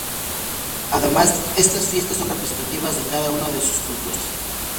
Además estas fiestas son representativas de cada una de sus culturas.